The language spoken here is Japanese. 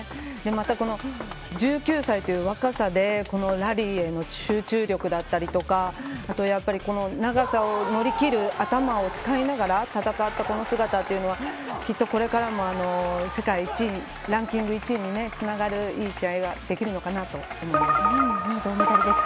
またこの１９歳という若さでラリーへの集中力だったりとかあとやっぱり長さを乗り切る頭を使いながら戦ったこの姿というのはきっと、これからも世界１位にランキング１位につながるいい試合ができるのかなと思います。